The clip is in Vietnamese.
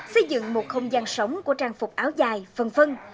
xây dựng một không gian sống của trang phục áo dài phần phân